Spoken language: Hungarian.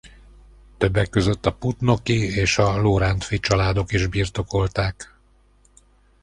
Többek között a Putnoki és a Lorántffy családok is birtokolták.